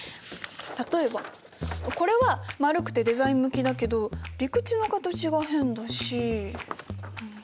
例えばこれは丸くてデザイン向きだけど陸地の形が変だし。